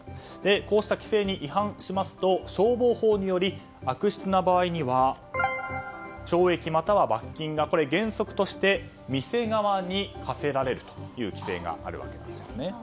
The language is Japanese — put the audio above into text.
こうした規制に違反しますと消防法により悪質な場合には懲役または罰金が原則として店側に科せられるという規制があるわけです。